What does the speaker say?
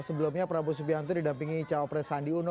sebelumnya prabowo subianto didampingi cowok pres sandi uno